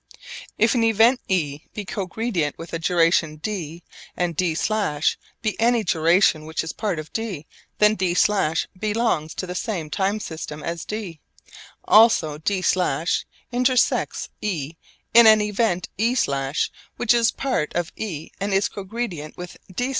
If an event e be cogredient with a duration d, and d′ be any duration which is part of d. Then d′ belongs to the same time system as d. Also d′ intersects e in an event e′ which is part of e and is cogredient with d′.